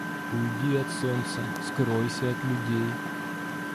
Уйди от солнца, скройся от людей.